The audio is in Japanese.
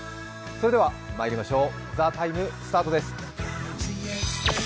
それでは、まいりましょう「ＴＨＥＴＩＭＥ，」スタートです。